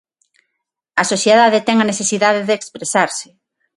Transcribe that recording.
A sociedade ten a necesidade de expresarse.